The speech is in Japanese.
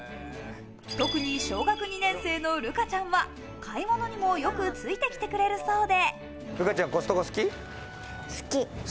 特に小学２年生の瑠花ちゃんは買い物にもよくついてきてくれるそうで。